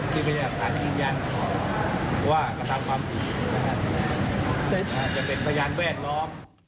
ที่พยานหลักฐานอินยันว่ากระทั่งความผิด